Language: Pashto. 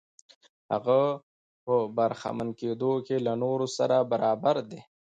هغه په برخمن کېدو کې له نورو سره برابر دی.